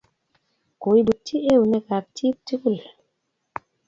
Koibutchi eunek ab chit tugul